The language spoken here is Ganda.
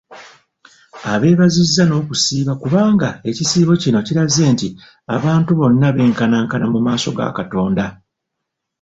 Abeebaziza n'okusiiba kubanga ekisiibo kino kiraze nti abantu bonna benkanankana mu maaso ga Katonda.